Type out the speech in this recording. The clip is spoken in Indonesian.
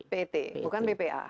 pet bukan bpa